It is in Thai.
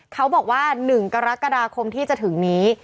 เขาบอกว่า๑กรกฎาคมที่จะถึงนี้